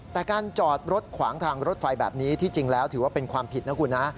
แต่การจอดรถขวางทางรถไฟแบบนี้ที่จริงแล้วถือว่าเป็นความผิดนะคุณนะ